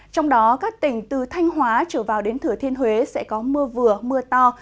trong đó các tỉnh từ thanh hóa trở vào đến thừa thiên huế sẽ có mưa vừa mưa to